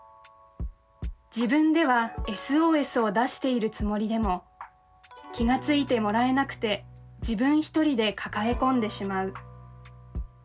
自分ではＳＯＳを出しているつもりでも気がついて貰えなくて自分一人で抱え込んでしまう。